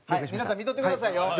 皆さん見とってくださいよ。